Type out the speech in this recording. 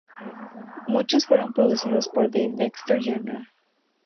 Muchos fueron producidos por Dave Dexter, Jr.